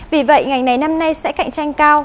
vì vậy ngành này năm nay sẽ cạnh tranh cao